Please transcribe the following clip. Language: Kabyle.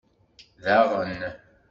Daɣen!